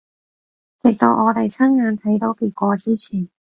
直到我哋親眼睇到結果之前